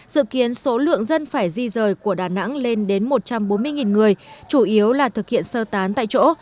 dự kiến số lượng dân phải di rời của đà nẵng lên đến một trăm bốn mươi người chủ yếu là thực hiện sơ tán tại chỗ